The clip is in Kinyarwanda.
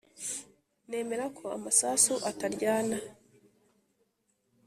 Nemera ko amasasu ataryana